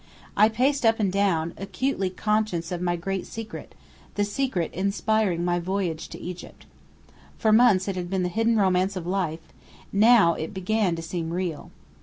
I paced up and down, acutely conscious of my great secret, the secret inspiring my voyage to Egypt. For months it had been the hidden romance of life; now it began to seem real.